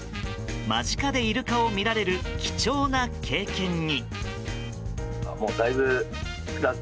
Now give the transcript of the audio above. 間近でイルカを見られる貴重な経験に。